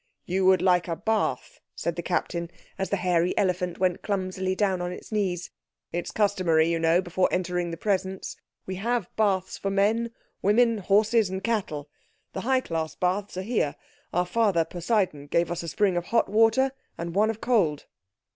"You would like a bath," said the Captain, as the hairy elephant went clumsily down on his knees. "It's customary, you know, before entering the Presence. We have baths for men, women, horses, and cattle. The High Class Baths are here. Our Father Poseidon gave us a spring of hot water and one of cold."